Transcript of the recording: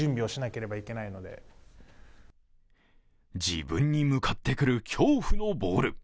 自分に向かってくる恐怖のボール。